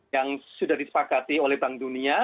yang sudah disepakati oleh bank dunia